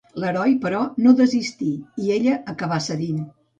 L'heroi, però, no desistí i ella acabà cedint.